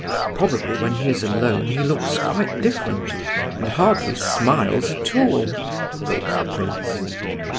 "Probably when he is alone he looks quite different, and hardly smiles at all!" thought the prince.